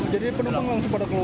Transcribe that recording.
jadi penumpang langsung pada keluar